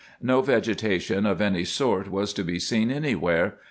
No vegetation of any sort was to be seen any where.